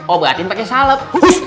oh berarti pake salep